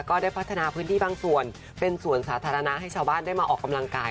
ก็ได้พัฒนาพื้นที่บางส่วนเป็นสวนสาธารณะให้ชาวบ้านได้มาออกกำลังกาย